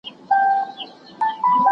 راته مه ګوره میدان د ښکلیو نجونو